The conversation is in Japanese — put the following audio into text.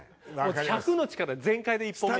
１００の力全開で１本目。